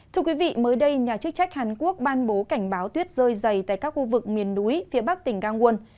thưa quý vị mới đây nhà chức trách hàn quốc ban bố cảnh báo tuyết rơi dày tại các khu vực miền núi phía bắc tỉnh gangwon